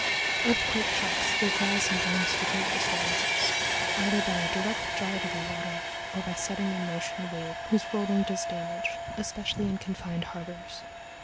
Earthquake shocks give rise sometimes to great disturbances, either by a direct jar to the water, or by setting in motion waves whose rolling does damage, especially in confined harbors.